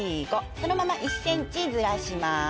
そのまま１ｃｍずらします。